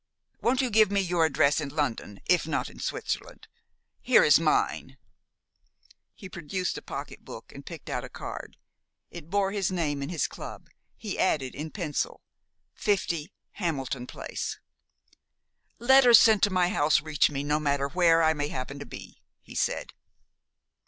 Won't you give me your address, in London if not in Switzerland? Here is mine." He produced a pocketbook, and picked out a card. It bore his name and his club. He added, in pencil, "50 Hamilton Place." "Letters sent to my house reach me, no matter where I may happen to be," he said.